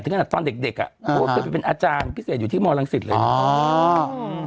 ถึงตอนเด็กเด็กอ่ะอ่าฮะเขาเป็นอาจารย์พิเศษอยู่ที่มรังสิตเลย